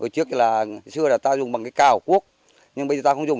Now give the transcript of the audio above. trước là xưa là ta dùng bằng cái cào cuốc nhưng bây giờ ta không dùng